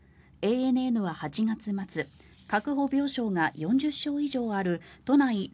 ＡＮＮは８月末確保病床が４０床以上ある都内